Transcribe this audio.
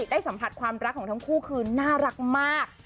ได้สัมผัสความรักของทั้งคู่คือน่ารักมาก